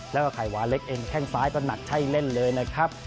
แล้วก็ไขว้เล็กเอ็งแค่งซ้ายต้นหนักใช่เล่นเลยนะครับ